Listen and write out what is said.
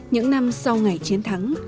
những năm sau ngày chiến thắng